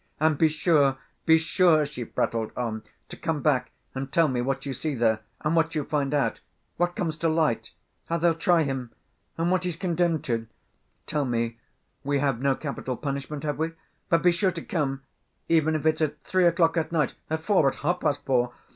"And be sure, be sure," she prattled on, "to come back and tell me what you see there, and what you find out ... what comes to light ... how they'll try him ... and what he's condemned to.... Tell me, we have no capital punishment, have we? But be sure to come, even if it's at three o'clock at night, at four, at half‐past four....